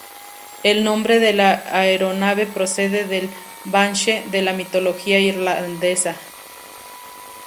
El nombre de la aeronave procede del "banshee" de la mitología irlandesa.